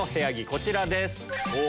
こちらです。